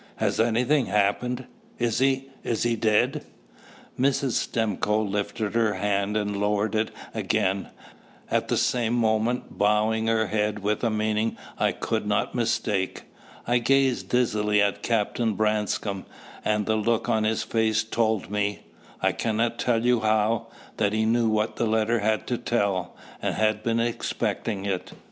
"Has anything happened? is he is he dead?" Mrs. Stimcoe lifted her hand and lowered it again, at the same moment bowing her head with a meaning I could not mistake. I gazed dizzily at Captain Branscome, and the look on his face told me I cannot tell you how that he knew what the letter had to tell, and had been expecting it.